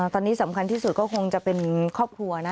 ตอนนี้สำคัญที่สุดก็คงจะเป็นครอบครัวนะ